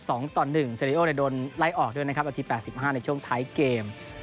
เสรีโอได้โดนไล่ออกด้วยนะครับอันที่๘๕ในช่วงท้ายเกม